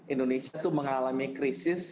indonesia tuh mengalami krisis